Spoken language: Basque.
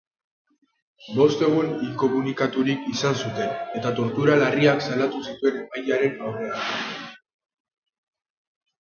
Bost egun inkomunikaturik izan zuten, eta tortura larriak salatu zituen epailearen aurrean.